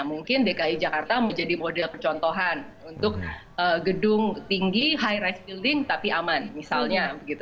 mungkin dki jakarta mau jadi model kecontohan untuk gedung tinggi high rise building tapi aman